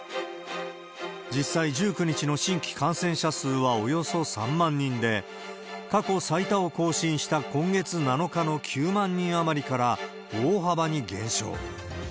実際、１９日の新規感染者数はおよそ３万人で、過去最多を更新した今月７日の９万人余りから、大幅に減少。